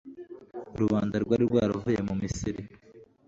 rubanda rwari rwaravuye mu misiri